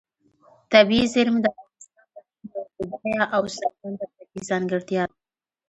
طبیعي زیرمې د افغانستان د اقلیم یوه بډایه او څرګنده طبیعي ځانګړتیا ده.